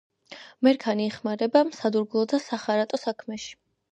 მერქანი იხმარება სადურგლო და სახარატო საქმეში.